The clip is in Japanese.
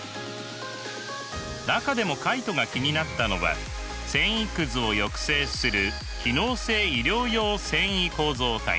中でもカイトが気になったのは繊維くずを抑制する機能性衣料用繊維構造体。